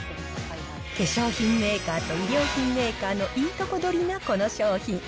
化粧品メーカーと医療品メーカーのいいとこ取りなこの商品。